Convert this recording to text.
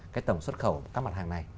cái tổng xuất khẩu các mặt hàng này